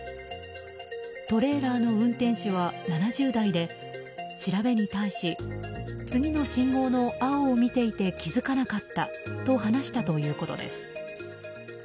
トレーラーの運転手は７０代で調べに対し次の信号の青を見ていて気づかなかったと話したということです。